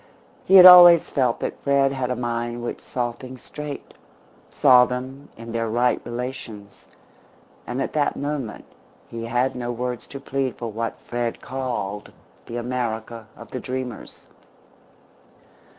He had always felt that Fred had a mind which saw things straight, saw them in their right relations, and at that moment he had no words to plead for what Fred called the America of the dreamers.